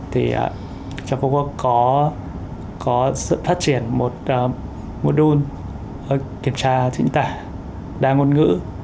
trans bốn work có sự phát triển một mô đun kiểm tra chính tả đa ngôn ngữ